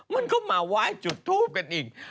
มันก็มาไหว้จุดทูปกันอีก